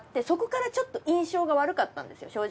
そこからちょっと印象が悪かったんですよ